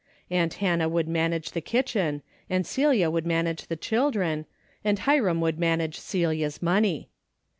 Aunt Hannah would manage the kitchen, and Celia would manage the children, and Hiram would manage Celia's money.